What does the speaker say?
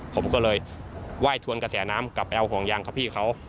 ผมก็เลยไหว้ทวนกระแสน้ำกลับไปเอาห่วงยางกับพี่เขา